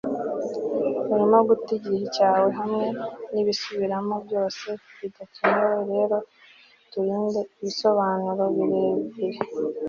Urimo guta igihe cyawe hamwe nibisubiramo byose bidakenewe rero uturinde ibisobanuro birebire